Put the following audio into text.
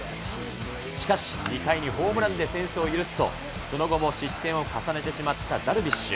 しかし２回にホームランで先制を許すとその後も失点を重ねてしまったダルビッシュ。